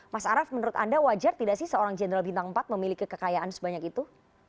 mas araf menurut anda wajar tidak sih seorang jenderal bintang empat memiliki kekayaan sebanyak itu